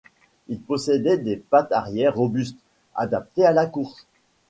Il possédait des pattes arrière robustes, adaptées à la course.